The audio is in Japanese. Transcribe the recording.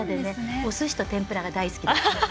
おすしとてんぷらが大好きで。